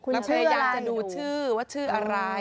เราจะอยากดูชื่อว่าชื่ออะไร